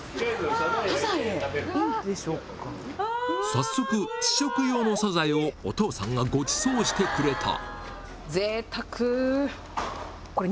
早速、試食用のサザエをお父さんがごちそうしてくれた。